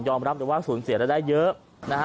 ยอมรับแต่ว่าสูญเสียรายได้เยอะ